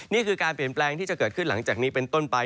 นี่คือการเปลี่ยนแปลงที่จะเกิดขึ้นหลังจากนี้เป็นต้นไป